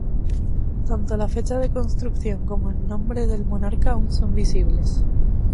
Tanto la fecha de construcción como en nombre del monarca aun son visibles.